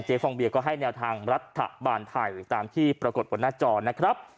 ฟองเบียก็ให้แนวทางรัฐบาลไทยตามที่ปรากฏบนหน้าจอนะครับ